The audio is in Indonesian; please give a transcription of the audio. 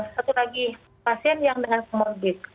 satu lagi pasien yang dengan comorbid